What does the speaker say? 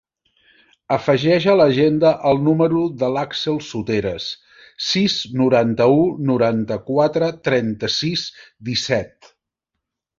Afegeix a l'agenda el número de l'Àxel Soteras: sis, noranta-u, noranta-quatre, trenta-sis, disset.